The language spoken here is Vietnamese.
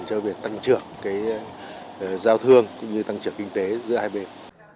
cho việc tăng trưởng giao thương cũng như tăng trưởng kinh tế giữa hai bên